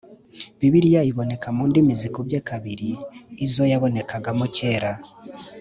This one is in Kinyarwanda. Bibiliya iboneka mu ndimi zikubye kabiri izo yabonekagamo kera